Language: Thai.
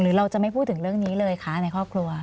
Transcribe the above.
เราจะไม่พูดถึงเรื่องนี้เลยคะในครอบครัว